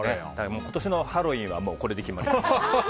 今年のハロウィーンはこれで決まりです。